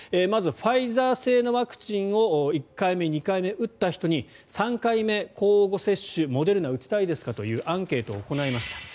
まずファイザー製のワクチンを１回目、２回目打った人に３回目、交互接種モデルナを打ちたいですかというアンケートを行いました。